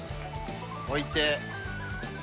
置いて。